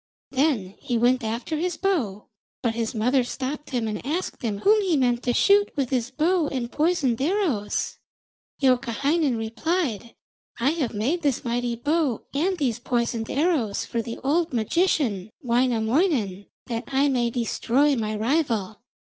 Then he went after his bow, but his mother stopped him and asked him whom he meant to shoot with his bow and poisoned arrows. Youkahainen replied: 'I have made this mighty bow and these poisoned arrows for the old magician Wainamoinen, that I may destroy my rival.'